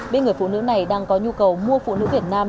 biết người phụ nữ này đang có nhu cầu mua phụ nữ việt nam